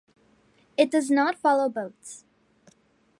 It does not follow boats.